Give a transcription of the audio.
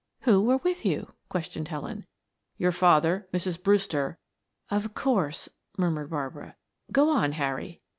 "Who were with you?" questioned Helen. "Your father, Mrs. Brewster " "Of course," murmured Barbara. "Go on, Harry."